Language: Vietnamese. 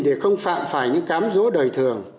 để không phạm phải những cám dỗ đời thường